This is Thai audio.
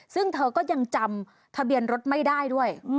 ซึ่งเธอก็ยังจำทะเบียนรถไม่ได้ด้วย